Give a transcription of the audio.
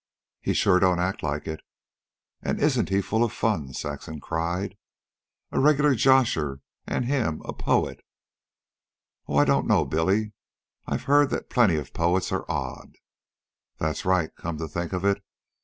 "He sure don't act like it." "And isn't he full of fun!" Saxon cried. "A regular josher. An' HIM! a POET!" "Oh, I don't know, Billy. I've heard that plenty of poets are odd." "That's right, come to think of it.